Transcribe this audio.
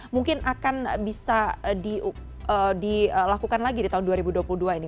mungkin akan bisa dilakukan lagi di tahun dua ribu dua puluh dua ini